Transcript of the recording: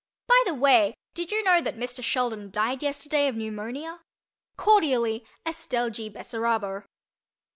By the way, did you know that Mr. Sheldon died yesterday of pneumonia? Cordially, ESTELLE G. BESSERABO.